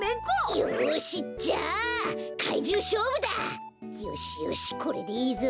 よしよしこれでいいぞ。